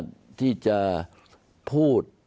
ที่จะพูด